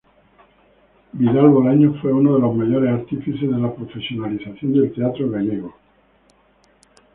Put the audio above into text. Vidal Bolaño fue uno de los mayores artífices de la profesionalización del teatro gallego.